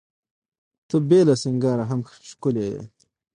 ته بې له سینګاره هم ښکلي یې.